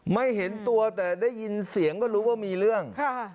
ไม่เห็นตัวแต่ได้ยินเสียงก็รู้ว่ามีเรื่อง